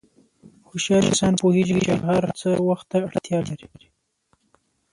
هوښیار انسان پوهېږي چې هر څه وخت ته اړتیا لري.